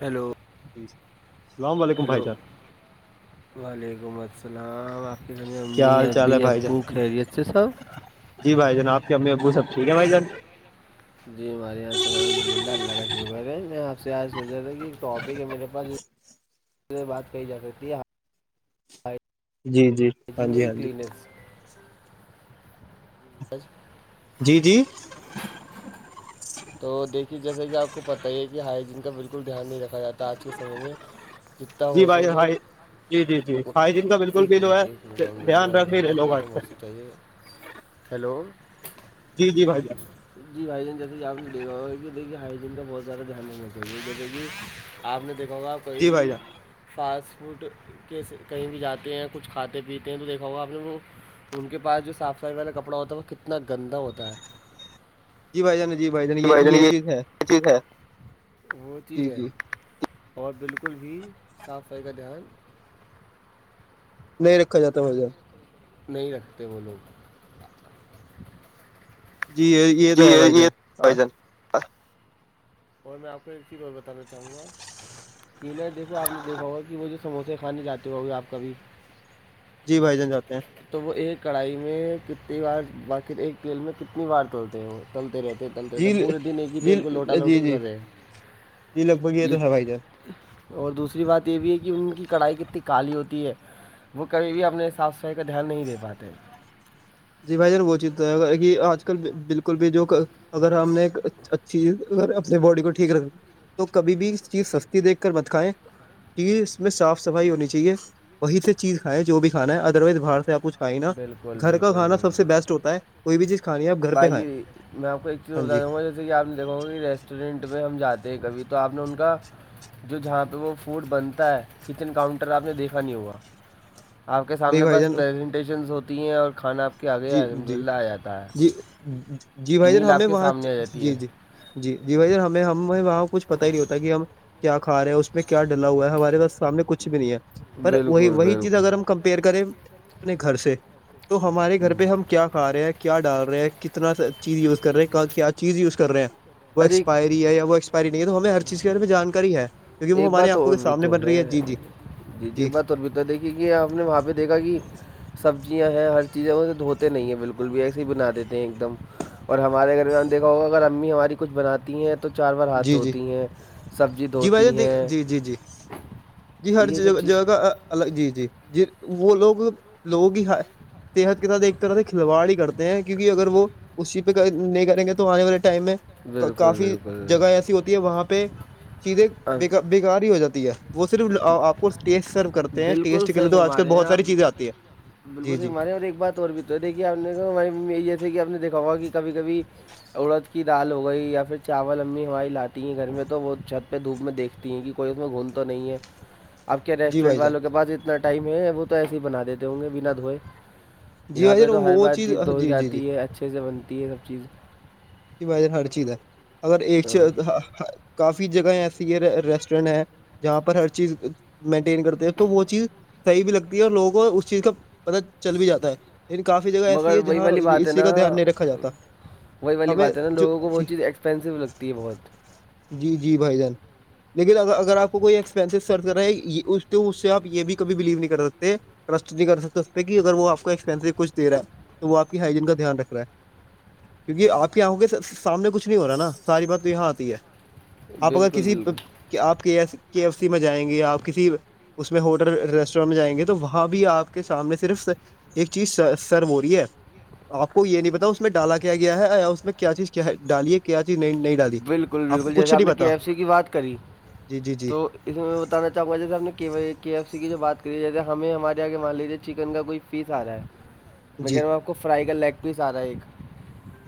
hello ج اللام و ععلیکم بھائی ہیلو چا وعلیکم السلام آپ کے گھر میں کیا امی حال چال ابی ہے بھائی جان ابو خیریت سے سب جی بھائی جان آپ امی ابوبٹھیک ہیں بھائی جان جی ہمارے یہاں سے الحمد للہ اللہ کا شکر ہے میں آپ سے آ سوچا تھا کہ ایک ٹاپک ہے میرے پاس سے بات کہی جا سکتی ہےاں جی جی ہاں جی وجینین ہاں جی کلینز بس جی جی تو دیکھیے جیسا کہ آپ کو پتہ ہی ہے کہ ہائجین کا بالکل دھیان نہیں رکھا جاتا آج کے سمے میں جتنا جی ہو بھائی سکے ہائی جی جی جی ہائیجین کا بالکل ایک بھی جو منٹ ہے ایک منٹ الحمد للہ دھیان رکھ الحمد بھی للہ رہے کی لوگ بات اچ ہم ہو سکتا ہے ہیلو بھائی جان جی بھائی ج آپ نے دیکاا دیکھی ہجین کا بہت زیادہ دھیان رکھ آپ نے دیکا ہوا آ کوئی جی بھائی بھی جان فاسٹ فوڈ کےس کہیں بھی جاتے ہیں کچھ کھاتے پیتے ہیں تو دیکھا ہوگا آپ نے کو ان کے پاس جو صاف صفائی والا کپڑا ہوتا ہے وہ کتنا گندا ہوتا ہے جی بھائی جان جی بھائی جان یہ چیز ہے چیز ہے وہ چیز جی ہے جی اور بالکل بھی صاف صفائی کا دھیان نہیں رکھا جاتا مجھ نہیں رکھتے وہ لوگ جی یہ جی تو ہے بھائی جان اور میں آپ کو ایک چ اور اور بتانا چاہوں گا کہ نہیں دیکھو آپ یہ دیکھا ہوا کہ وہ جو سموسے کھانے جاتے ہوئے آپ کبھی جی بھائی جان جاتے ہیں تو وہ ایک کڑھائی میں کتنی بار بخر ایک تیل میں کتنی بار چلتے ہیں وہ تلتے رہتے تلتے رہتے جی پورے دن ایک ہی جی تیل کو لوٹا جی لوٹی جی کرے جی لگ بگی ت تھار پائ جے اور دوسری بات یہ بھی ہے کہ ان کی کڑھائی کتنی کالی ہوتی ہے وہ کبھی بھی اپنے صاف صفائی کا دھیان نہیں دے پاتے جی بھائی جان وہ چیز یہ آج کل بالکل بھی جو اگر ہم نے ایک اچھی ا اپنے باڈی کو ٹھیک رکھنا تو کبھی بھی اس چیز سستی دیکھ کر بت کائےیں چیز میں صاف صفائی ہونی چاہیے وہی سے چیز کھائائےیں جو بھی کھانا ہے ادر وائز باہر سے آپ کچھ کھائی نا بالکل گھر کا بالکل کھانا سب سے بیسٹ ہوتا ہے کوئی بھی چیز کھانی ہے آپ گھر پہ کھائیں باقی میں آپ کو ایک چیز ہاں جی بتا دوں گا جیسے کہ آپ نے دیکاگا کہ ریسٹورینٹ میں ہم جاتے ہیں کبھی تو آپ نے ان کا جو جہاں پہ وہ فوڈ بنتا ہے کچن کاؤنٹر آپ نے دیکھا نہیں ہوا آپ کے نہیں سامنے بھائی بس جان پریزنٹیشن ہوتی ہیں اور کھانا کے آگے جی الحمد جی للہ آ جاتا ہے جی جی بھائی جان میل آپ ہمیں کے وہاں سامنے آ جاتی جی ہے جی جی جی بھائی ہمیں ہمیں وہاں کچھ پتا ہی نہیں ہوتا کہ ہم کیا کھا رہا اس میں کیا ڈلا ہوا ہے ہمارے پاس سامنے کچھ بھی نہیں ہے پر وہی بالکل وہی چیز اگر ہم بالکل کمپیئر کریں اپنے گھر سے تو ہمارے گھر پہ ہم کیا کھ رہے ہیں کیا ڈال رہے ہیں کتنا چیز یوز کر رہے ہیں کیا چیز یوز کر رہے ہیں وہ ارے ایک- ایکسپائری ہے یا وہ ایکسپائری نہیں ہے تو ہمیں ہر چیز کے بارے میں جانکاری ہے کیونکہ وہ ایک ہمارے بات آنکھوں اور کے بھی سامنے تو بن رہی ہے جی جی جی ایک بات اور بھی تو دیکھیے کہ آپ نے وہاں پہ دیکھا کہ سبزیاں ہیں ہر چیزیں وے دھوتے نہیں ہیں بالکل بھی ایسے ہی بنا دیتے ہیں ایک دم اور ہمارے گھر میں ہم دیکھا ہوگا اگر امی ہماری کچھ بناتی ہیں تو تو چار بار ہاتھ جی جی دھوتی ہیں سبزی دھو جی جی جی جی ہر یہ سب چیز جگہ کا الگ جی جی جی وہ لوگ لوگ ہی صحت کے ساتھ ایک طرح سے کلوڑ ہی کرتے ہیں کیونکہ اگر وہ اسی پہ نہیں کریں گے تو آنے والے ٹائم میں بالکل کافی بالکل جگہ ایسی ہوتی ہے وہاں پہ چیزیں ہاں ب بیکار ہی ہو جاتی ہے وہ صرف آپ کو ٹیسٹ سرو کرتے ہیں بالکل ٹیسٹ کے صحیح لیے تو آج فرما کل رہے ہیں بہت آپ ساری چیزیں آتی ہے جی بالکل س جی ہمارے اور ایک بات اور بھی تو دیکھی آ نے ہماری ممی یہ جیسے کہ آپ نے دکھا ہوا کہ کبھی کبھی اڑد کی دال ہو گئی یا پھر چاول امی ہویں لاتی تی گھر میں تو وہ چھت پہ دھوپ میں دیکھتی ہیں کہ کوئی اس میں گھون تو نہیں ہے آپ کے جی ریسٹورینٹ بھائی جان والوں کے پاس اتنا ٹائم ہے وہ تو ایسے ہی بنا دیتے ہوں گے بنا دھوئے جی یہاں بھائی پہ جان تو ہر وہ بار چیز دوئی جی جی جی جاتی ہے اچھے سے بنتی ہے سب چیز ب ہر چیز ہے اگر ایک چ ہاں کافی جگہیں ایسی ہے ریسٹورینٹ ہیں جہاں پر ہر چیز مینٹین کرتے ہیں تو وہ چیز صحیح بھی لگتی ہے اور لوگوں کو اس چیز کا پتا چل بھی جاتا ہے لیکن کافی جگہ ایسی مگر ہے وہی جہاں والی بات ہے اس چیز نا کا دھیان نہیں رکھا جاتا وہی والی ہمیں بات ہے نا جو لوگوں کو بہت چیز ایکسپینسو لگتی ہے بہت جی جی بھائی جان لیکن اگر آ کو کوئی ایکسپینسو سرچ کر رہا ہے اس اس سے یہ بھی کبھی بلیو نہیں کر سکتے ٹرسٹ نہیں کر سکتا اس پہ کہ اگر وہ آپ کو ایکسپینسو کچھ دے رہا ہے تو وہ آپ کی ہائیجین کا دھیان رکھ رہا ہے کیونکہ آپ کیا ہوں گے سامنے کچھ نہیں ہو رہا ہے نا ساری بات تو یہاں آتی ہے آپ اگر بالکل کسی بالکل کہ آپ کے ایف سی میں جائیں گے آپ کسی اس میں ہوٹل ریسٹورینٹ میں جائیں گے تو وہاں بھی آپ کے سامنے صرف ایک چیز سرو ہو رہی ہے آپ کو یہ نہیں پتا اس میں ڈالا کیا گیا ہے یا میں کیا چیز کیا ہے ڈالیے کیا چیز نئی نئی بالکل بالکل جیسے آپ نے کے ایف سی کی بات کری جی جی جی تو اس میں بتان چاہوں گا جیسے ہم نے کے کے ایف سی کی جو بات کری ہے جیے ہمیں ہمارے آگے مان لیجیے چکن کا کوئی فیس آ رہا ہے میں کہہ جی رہا ہوں آپ کو فرائی کا لیگ پیس آ رہا ہے ایک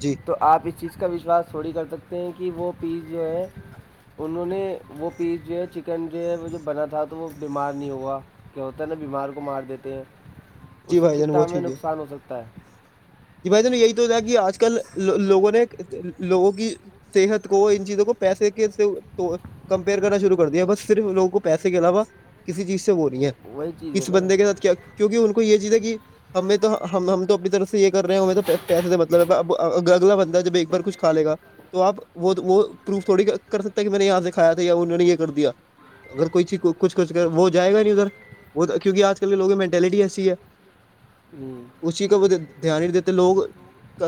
جی تو آپ اس چیز کا وشواس تھوڑی کر سکتے ہیں کہ وہ پیس جو ہے انہوں نے وہ پیس جو ہے چکن جو ہے وہ جوب بنا تھا تو وہ بیمار نہیں ہوا کیا ہوتا ہے نا بیمار کو مار دیتے ہیں اس جی سے بھائی جان کتنا ہمیں نقصان ہو سکتا ہے ج بھائی جن یہی تو تھا کہ آج کل لوگوں نے لوگوں کی صحت کو ان چیزوں کو پیسے کے تو کمپیئر کرنا شروع کر دیا بس صرف لوگوں کو پیسے کے علاوہ کسی چیز سے ہو رہی ہے ہیں وہی چیز ہے کس نا بندے کے ساتھ کیا کیونکہ ان کو یہ چیز ہے کہ ہمیں تو ہم تو اپنی طرف سے یہ کر رہے ہوں میں تو پیسے کا مطلب ہے اگر اگلا بندہ ہے جب ایک بار کچھ کا لےا تو آپ وہ وہ پروف تھوڑی کر سکتے کہ میں نے یہاں سےکھایا تھا یا انہوں نے یہ کر دیا اگر کوئی چیز کچھ کچھ وہ جائے گا نہیں ادھر وہ کیونکہ آج کل کےوگ مٹٹیلٹی ایسی ہے ہوں اسی کا دھیان نہیں دیتے لوگ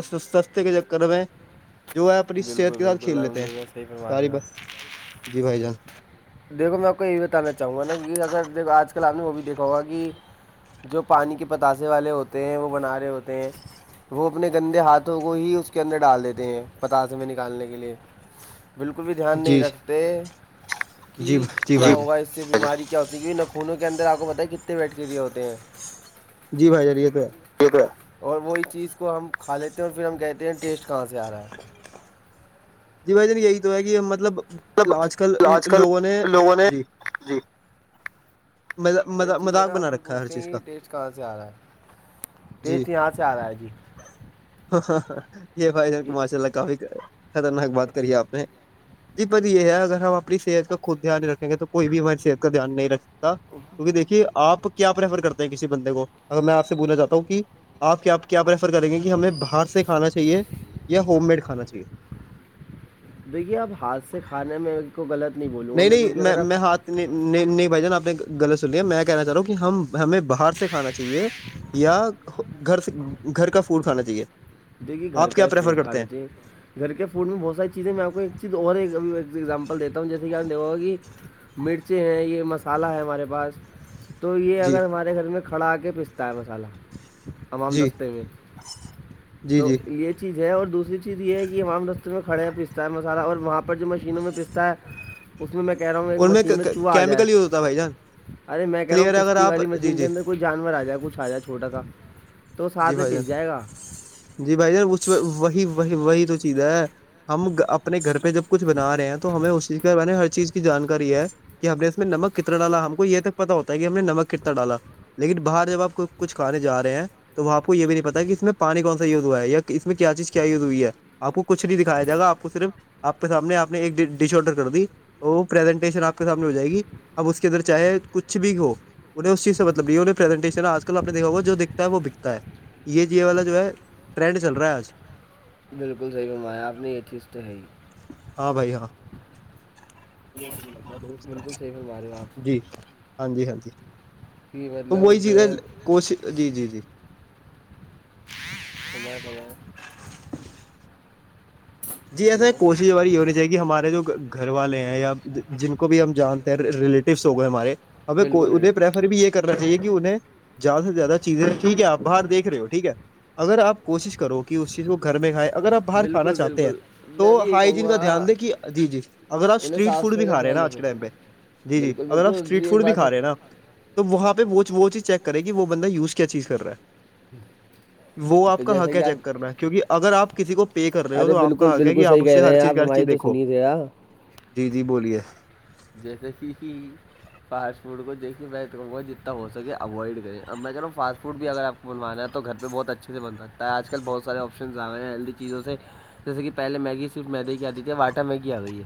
سستے کے کروئے جو ہے اپنی صحت بالکل کے ساتھ بالکل کھیل لیتے الحمد ہیں للہ صحیح فرما رہے ساری ہیں بات جی بھائی جان دیکو میں آپ کو یہی بتانا چاہوں گا نا کہ اگر د آج کل آپ نے وہ بھی دیکھا ہوگا کہ جو پانی کے پتاسے والے ہوتے ہیں وہ بنا رہے ہوتے ہیں وہ اپنے گندے ہاتھوں کو ہی اس کے اندر ڈال دیتے ہیں پتاسے میں نکالنے کے لیے بالکل بھی دھیان نہیں جی رکھتے جی کہ جی کیا بھائی ہوگا جان اس سے بیماری کیا ہوتی ہے کیہ نخونوں کے اندر آپ کو پت کتنے ویٹ کے لیے ہوتے ہیں جی بھائی جاریے تو ٹھیک ہے اور وہی چیز کو ہم کھا لیتے ہیں اور پھر ہم کہتے ہیں ٹیسٹ کہاں سے آ رہا ہے جی بھائی جن یہی تو ہے کہ مطلب ہے آج کل مطلب آج کل لوگوں نے لوگوں نے جی جی وہی چیز ہے مذاق نا ہم بنا پھر رکھا ہے ہر پوچھتے ہیں چیز کہ کا یہ ٹیسٹ کہاں سے آ رہا ہے ٹیسٹ یہاں سے آ رہا ہے جی ہاںاں یہ بھائی جان کو ماشاء اللہ کافی خطرناک بات کری ہے آپ نے جی پر یہ ہے اگر ہم اپنی صحت کا خود دھیان رکھیں گے تو کوئی بھی ہماری صحت کا دھیان نہیں رکھتا کیونکہ دیکھیے آپ کیا پریفر کرتے ہیں کسی بندے کو اگر میں آپ سے بولنا چاہتا ہوں کہ آپ کیا پرریفر کریں گے کہ ہمیں باہر سے کھانا چاہیے یا ہوم میڈ کھانا چاہیے دیکھیے آپ ہاتھ سے کھانے میں کو غلط نہیں بولوں گا میں کیونکہ اگر آپ میں ہاتھ نہیں نہیں نہیں بھائی جان آپ نے غلط سنی ہے میں کہنا چاہ رہا ہوں کہ ہم ہمیں باہر سے کھانا چاہیے یا گھر سے گھر کا فوڈ کھانا چاہیے دیکھیے گھر آپ کا کیا ہی پریفر فوڈ کھا کرتے رہے ہیں تھے گھر کے فوڈ میں بہت ساری چیزیں میں آپ کو ایک چیز اور ایک اب ایک ایگزامپل دیتا ہوں جیسے کہ آپ دا گا کہ مرچیں ہیں یہ مسالحہ ہے ہمارے پاس تو یہ جی اگر ہمارے گھر میں کھڑا آ کے پستا ہے مصالحہ تمام دستے میں اچھا تو یہ چیز ہے اور دوسری چیز یہ ہے کہ ہمام رستے میں کھڑے ہیں پیستا ہے مسالہ اور وہاں پر جو مشینوں میں پستا ہے اس میں کہہ رہا ہوں ایک ان مشین میں چوہا آ جائے کیمیکل یوز ہوتا ہے بھائی جان ارے میں کہہ رہا ہوں کلیئر ہے اگر پستتی آپ والی جی مشین کے جی اندر کوئی جانور آ جائے کچھ آ جائے چھوٹا کا جی بھائی جان جی بھائی جان اس وہیی وہی تو چیز ہے ہم اپنے گھر پہ جب کچھ بنا رہے ہیں تو ہمیں اس چیز کے بارے ہر چیز کی جانکاری ہے کہ ہم نے اس میں نمک کتنا ڈالا ہم کو یہ تک پتا ہوتا ہے کہ ہم نے نمک کتنا ڈالا لیکن باہر جب آپ کچھ کھانے جا رہے ہیں تو وہ آپ کو یہ بھی نہیں پتا کہ اس میں پانی کونایوز ہوا ہےیا اس میں کیا چیز کیا یوز ہوئی ہے آپ کو کچھ نہیں دکھایا جائے گا آپ کو صرف آپ کے سامنے آپ نے ایک ڈ ڈش آڈر کر دی تو پرزنٹیشن آپ کے سامنے ہو جائے گی اب اس کے اندر چاہے کچھ بھی ہو انہ اس چی سے ملبہ پریزنٹیشن آجل آ نے دکھا جو وہ بکتا ہے یہ جی والا جو ہے ٹرینڈ چل رہا ہے آج بالکل صحیح فمایا آپ نے یہ چیز تو ہے ہی ہاں بھائی ہاں جی بالکل صحیح فرما رہے ہو آپ ہاں جی ہاں جی کہ تو وہی چیزیں کوشش جی جی جی سما سا جی ایسا ہیلو کوشش ہماری یہ ہونی چاہیے کہ ہمارے جو گھر والے ہیں یا جن کو بھی ہم جانتے ہیں ریلیٹیوس ہو گئے ہمارے اب کو بالکل ادے پرریفر بھی ایک کرنا چاہیے کہ انہیں زیادہ سے زیادہ چیزیں ٹھیک ہے آپ باہر دیکھ رہے ہو ٹھیک ہے اگر آپ کوشش کرو کہ اس چیز کو گھر میں کھائےیں اگر آپ باہر کھانا بالکل چاہتے ہیں بالکل تو میں بھی یہی کہوں ہائیجین گا کا دھیان دے کہ جی جی اگر آپ انہیں اسٹریٹ صاف فوڈ بھی صفائی کا کھا رہے ہیں نا دھیان آج رکھنا کے ٹائم چاہیے پہ جی جی بالکل اگر بالکل آپ اور اسٹریٹ دوسری ایک فوڈ بھی بات کھا رہے ہیں وہ نا تو وہاں پہ وہ وہ چیز چیک کرے کہ وہ بندہ یوز کیا چیز کر رہا ہے وہ آپ کا ح جیسا کیا کہ چیک آپ کرنا ہے کیونکہ اگر آپ کسی کو پے کر رہے ہو ارے تو آپ بالکل کہا گ بالکل کہ آپ صحیح اس کہہ سے رہے ہر ہیں چیز آپ کی ہر ہماری چیز تو دیکھو سنیے ذرا جی جی بولیے جیسے کہ ہی فاسٹ فوڈ کو دیکھیے میں کہوں گا جتنا ہو سکے اوائڈ کریں اب میں کہہ رہا ہوں فاسٹ فوڈ بھی اگر آپ کو بنوانا تو گھر پہ بہت اچھے سےنکا ہے آج کل بہت سارے آپن آئے ہیں ہیلدی چیزوں سے جیسے کہ پہلے میگی صرف میدی کی آتی تھی واٹا میگی آ گئی ہے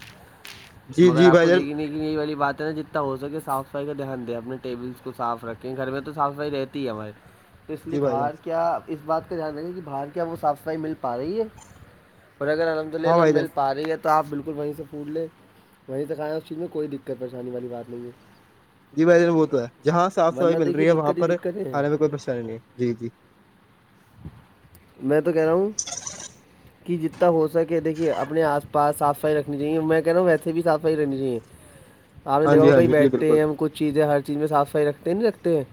جی جی بھائی جان ن نئی والی باتیں نا جتنا ہو سکے صف سفائی کا دھیان دیں اپنے ٹیبلس کو صاف رکھیں گھر میں تو صاف سفائی رہتی ہمارے تو اس لیے جی بھائی جان باہر کیا اس بات کا دھیان رکھے کہ باہر کیا وہ صاف صفائی مل پا رہی ہے اور اگر الحمد ہاں للہ بھائی مل جان آ رہی ہے تو آپ بالکل وہیں سے پھول لیں دکھایا اس چیز میں کوئی دقت پریشانی والی بات نہیں ہے جی بھن وہ تو ہے جہاں صاف ورنہ صفائی مل دیکھیے رہی ہے وہاں دقت ہی پر دقتیں ہیں کھانے میں کوئی پریشانی نہیں ہے جی جی میں تو کہہ رہا ہوں کہ جتنا ہو سکے دیکے اپنے آس پاس صف صفائی رکھنی چاہیے میں کہنااوں ویسے بھی صاف صفائی رہنی چاہیے آپ نے ہاں دھا جی ہوا ہاں کہیں جی جی بیٹھتے بالکل ہیں ہم کچھ چیزیں ہر چیز میں صاف صفائی رکھتے نہیں رکھتے ہیں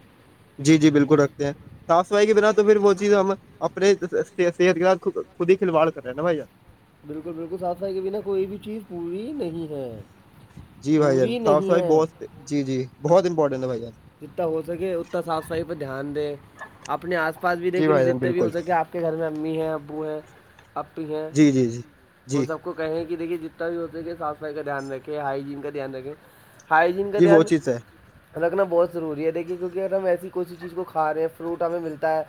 جی جی بالکل رکھتے ہیں صاف صفائی کے بنا تو پھر وہ چیز ہم اپنے صحت کے خود ہی کلواڑ کر رہے ہیں نا بھیا بالکل بالکل صاف صائی کے بنا کوئی بھی چیز پوری نہیں ہے جی بھائی جان پوری صاف نہیں صفائی ہے بہت جی جی بہت امپورٹنٹ ہیں بھائی جان پاس بھی جی دیکھ ل بھائی جان جتنے بھی ہو بالکل سکے آپ کے گھر میں امی ہیں ابو ہیں اپی ہیں جی جی جی جی ان سب کو کہیں کہ دیکھیے جتنا بھی ہو سک کہ صف صفائی کا دھیان رکھیں ہائجین کا دھیان رکھیں ہائجین کا جی وہ دھیان چیز ہے رکھنا بہت ضروری ہے دیکھیے کیونکہ اگر ہم ایسی کوسی چیز کو کھاے ہیں فروٹ ہمیں ملتا ہے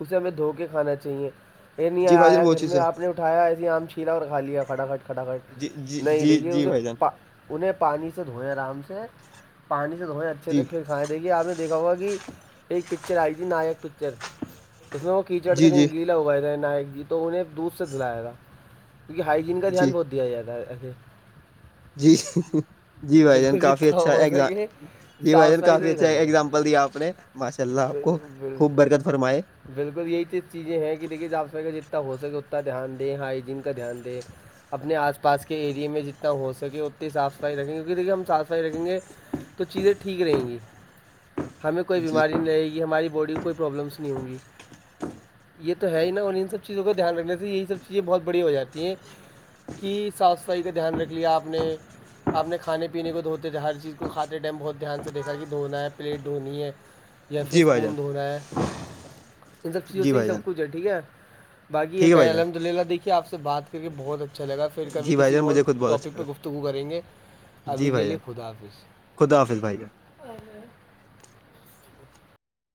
اسے ہمیں دھو کے کھانا چاہیے یہ نہیں جی بھائی جان آیا وہ گھر چیز میں ہے آپ نے اٹھ اٹھایا ایسے آم چھیلا اور کھا لیا کھٹا کھٹ کٹا جی کھٹ جی نہیں جی دیکھیے جی بھائی جان اسےا انہیں پانی سے دھوئیں آرام سے پانی سے دھوئیں اچھے سے جی کھائے دیکے آپ نے دیکھا ہوگا کہ ایک پکچر آئی تھی ناک پکچر اس میں وہ کیچڑ سے جی جی کہیں گیلا ہوگایا تھا نائک جی تو انہیں دودھ سے دلایا تھا کیہ ہائجین کا جی دھیان بہت دیا جیاا ہے اے جی جی بھائی جان بالکل کافی جتنا اچھا ہو سکے ایگزام جی بھائی صاف جان صفائی کافی سے اچھا ایگزامپل دیا آپ نے ماشاء اللہ آپ کو کرے خوب برکت فرمائے بالکل یہی چیزیں ہیں کہ دیکھیے آپ س جتنا ہو سکے اتنا دھیان دیں ہائجین کا دھیان دے اپنے آس پاس کے ایریے میں جتنا ہو سکے اتنی صاف صفائی رکھیں گے کیونکہ دیکھیے ہم صاف صفائی رکھیں گے تو چیزیں ٹھیک رہیں گی ہمیں کوئی جی بیماری نہیں رہے گی ہماری باڈی کوئی پرابلمس نہیں ہوں گی یہ تو ہے ہی نا اور ان سب چیزوں کا دھیان رکھنے سے یہی سب چیزیں بہت بڑی ہو جاتی ہیں کی صاف صفائی کا دھیان رکھ لیا آپ نے اپنے کھانے پینے کو دوتے تھے ہر چیز کو کاتے ٹائم بہ دھیان سے دیکھا کہ دھونا ہے پلیٹ دھونی ہے یا پھر جی بھائی جان اسکون دھ ہو رہا ہے ان سب چیزوں جی سے ہی بھائی جان سب کچھ ہے ٹھیک ہے باقی یہ ٹھیک ہے کہ بھائی جان الحمد للہ دیکھیے آپ سے بات کر کے بہت اچھا لگا پھر کبھی جی بھائی کسی جان اور مجھے خود بہت ٹاپک اچھا پہ گفتگو کریں گے ابھی کے لیے خدا حافظ خدافظ بھائیا اور